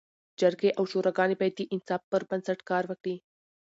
جرګي او شوراګاني باید د انصاف پر بنسټ کار وکړي.